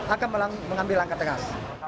akan mengambil langkah tengah